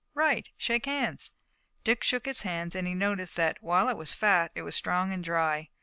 "Right. Shake hands." Dick shook his hand, and he noticed that, while it was fat, it was strong and dry.